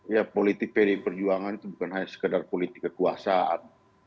ya politik pdi perjuangan itu bukan hanya sekedar politik kekuasaan